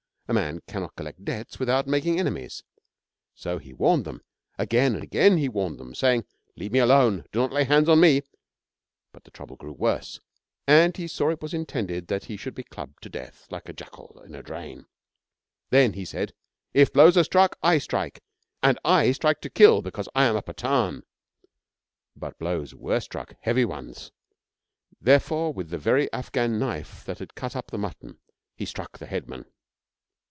A man cannot collect debts without making enemies. So he warned them. Again and again he warned them, saying: 'Leave me alone. Do not lay hands on me.' But the trouble grew worse, and he saw it was intended that he should be clubbed to death like a jackal in a drain. Then he said, 'If blows are struck, I strike, and I strike to kill, because I am a Pathan,' But the blows were struck, heavy ones. Therefore, with the very Afghan knife that had cut up the mutton, he struck the headman.